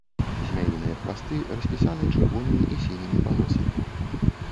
Змяіныя хвасты распісаны чырвонымі і сінімі палосамі.